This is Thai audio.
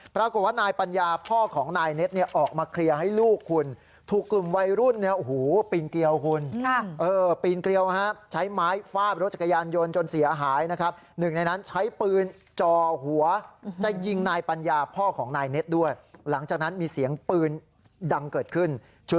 ปรากฏว่านายปัญญาพ่อของนายเน็ตออกมาเคลียร์ให้ลูกคุณ